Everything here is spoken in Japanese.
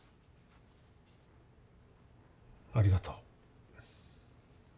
ありがとう。